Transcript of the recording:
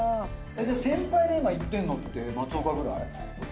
じゃあ先輩で今行ってんのって松岡ぐらい？